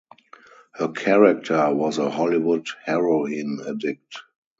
Her character was a Hollywood heroin addict.